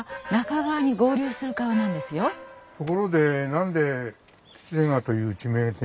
ところで何で喜連川という地名で？